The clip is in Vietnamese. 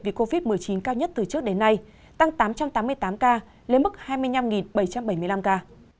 vì covid một mươi chín cao nhất từ trước đến nay tăng tám trăm tám mươi tám ca lên mức hai mươi năm bảy trăm bảy mươi năm ca